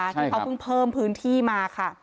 ที่เขาเพิ่มพื้นที่มาค่ะ